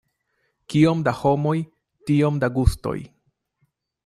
Kiom da homoj, tiom da gustoj.